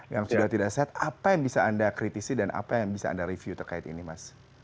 yang sudah tidak sehat apa yang bisa anda kritisi dan apa yang bisa anda review terkait ini mas